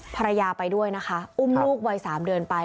ภรรยาไปด้วยนะคะอุ้มลูกวัย๓เดือนไป